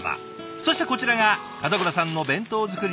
そしてこちらが門倉さんの弁当作り